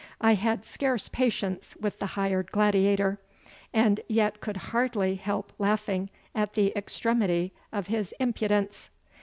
I had scarce patience with the hired gladiator, and yet could hardly help laughing at the extremity of his impudence."